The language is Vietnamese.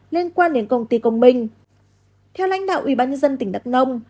liên quan đến công ty công minh theo lãnh đạo ubnd tỉnh đắk nông